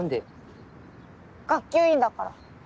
学級委員だから。